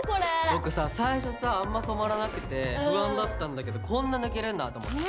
僕さ最初さあんま染まらなくて不安だったんだけどこんな抜けるんだと思って。